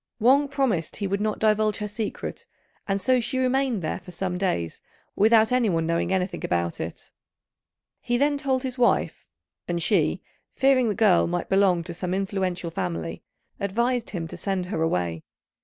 Wang promised he would not divulge her secret, and so she remained there for some days without anyone knowing anything about it. He then told his wife, and she, fearing the girl might belong to some influential family, advised him to send her away.